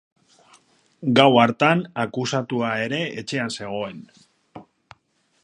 Gau hartan akusatua ere etxean zegoen.